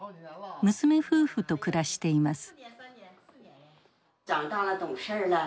娘夫婦と暮らしています。